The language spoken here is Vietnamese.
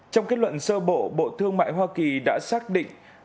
trong kết luận sơ bộ bộ thương mại hoa kỳ đã xác định